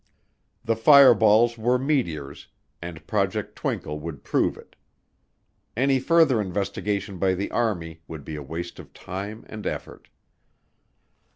The fireballs were meteors and Project Twinkle would prove it. Any further investigation by the Army would be a waste of time and effort.